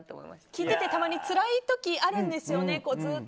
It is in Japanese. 聞いてて、たまにつらいときがあるんですよね。